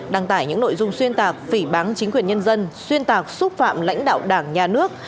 đăng tải những nội dung xuyên tạc phỉ bắn chính quyền nhân dân xuyên tạc xúc phạm lãnh đạo đảng nhà nước